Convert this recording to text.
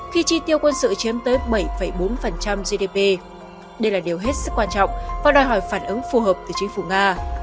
khi chi tiêu quân sự chiếm tới bảy bốn gdp đây là điều hết sức quan trọng và đòi hỏi phản ứng phù hợp từ chính phủ nga